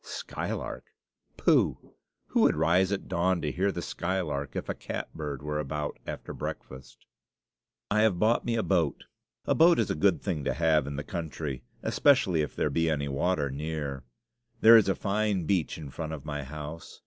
Skylark! pooh! who would rise at dawn to hear the skylark if a catbird were about after breakfast? I have bought me a boat. A boat is a good thing to have in the country, especially if there be any water near. There is a fine beach in front of my house.